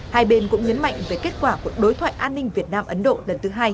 hai bên cũng nhấn mạnh về kết quả của đối thoại an ninh việt nam ấn độ lần thứ hai